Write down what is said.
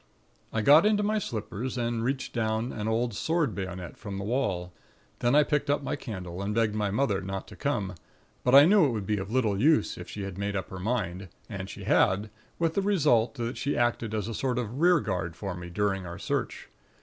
"I got into my slippers, and reached down an old sword bayonet from the wall; then I picked up my candle, and begged my mother not to come; but I knew it would be little use, if she had made up her mind; and she had, with the result that she acted as a sort of rearguard for me, during our search.